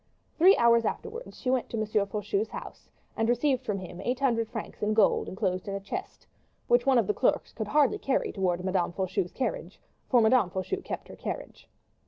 Three hours afterwards she went to M. Faucheux's house and received from him eight hundred francs in gold inclosed in a chest, which one of the clerks could hardly carry towards Madame Faucheux's carriage for Madame Faucheux kept her carriage.